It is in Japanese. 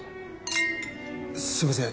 すいません